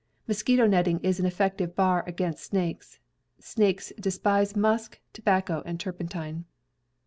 Mosquito netting is an effective bar against snakes. Snakes despise musk, tobacco, and turpentine.